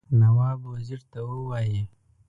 نواب وزیر ته ووايي.